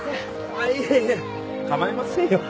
あっいえいえ構いませんよ。